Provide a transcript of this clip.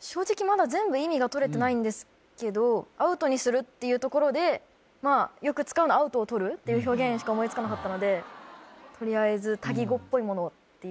正直まだ全部意味がとれてないんですけどアウトにするっていうところでよく使うのはアウトを取るっていう表現しか思いつかなかったのでとりあえず言は？